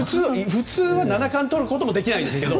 普通は七冠をとることもできないんですが。